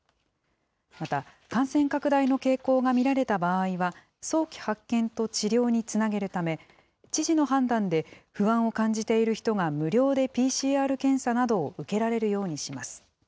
また、感染拡大の傾向が見られた場合は、早期発見と治療につなげるため、知事の判断で不安を感じている人が無料でＰＣＲ検査などを受けられるようにします。